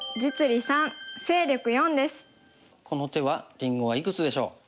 この手はりんごはいくつでしょう？